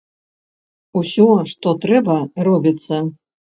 Усё, што трэба, робіцца.